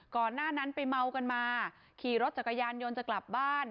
ก่อนหน้านั้นไปเมากันมาขี่รถจักรยานยนต์จะกลับบ้าน